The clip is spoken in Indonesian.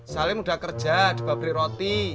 salim sudah kerja di pabrik roti